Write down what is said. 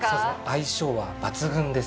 相性は抜群です。